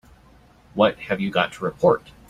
What have you got to report?